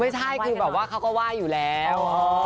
ไม่ใช่คือแบบว่าเขาก็ไหว้อยู่แล้ว